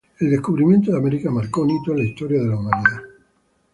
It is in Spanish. El descubrimiento de América marcó un hito en la historia de la humanidad.